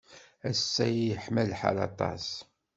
Ass-a yeḥma lḥal aṭas.